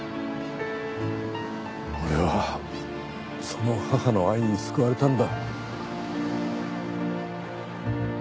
俺はその母の愛に救われたんだ。